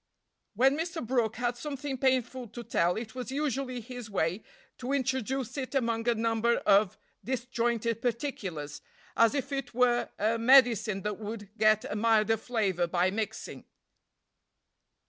"When Mr. Brooke had something painful to tell it was usually his way to introduce it among a number of disjointed particulars, as if it were a medicine that would get a milder flavor by mixing."